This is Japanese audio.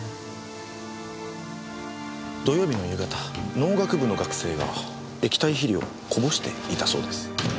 土曜日の夕方農学部の学生が液体肥料をこぼしていたそうです。